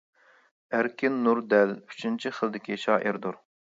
ئەركىن نۇر دەل ئۈچىنچى خىلدىكى شائىردۇر.